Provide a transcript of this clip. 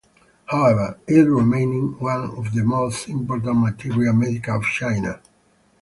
However, it remained one of the most important materia medica of China.